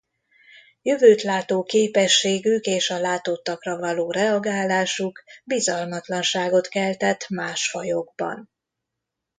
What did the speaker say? Jövőt látó képességük és a látottakra való reagálásuk bizalmatlanságot keltett más fajokban.